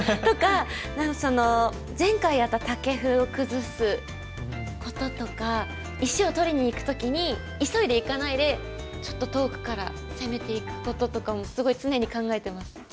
とか何かその前回やったタケフを崩すこととか石を取りにいく時に急いでいかないでちょっと遠くから攻めていくこととかもすごい常に考えてます。